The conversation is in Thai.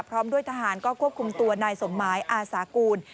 พร้อมด้วยทหารก็ควบคุมตัวนายสมหมายอาสากูล